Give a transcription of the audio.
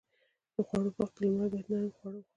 د خوړو په وخت کې لومړی باید نرم خواړه وخوړل شي.